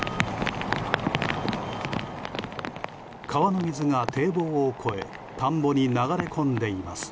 川の水が堤防を越え田んぼに流れ込んでいます。